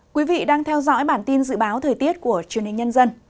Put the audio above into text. quý vị đang theo dõi bản tin dự báo thời tiết của truyền hình nhân dân